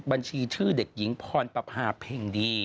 บัญชีชื่อเด็กหญิงพรปภาเพ็งดี